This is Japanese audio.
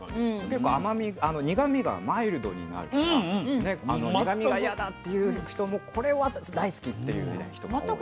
結構苦みがマイルドになるからねあの苦みが嫌だっていう人もこれは大好きっていう人も多い。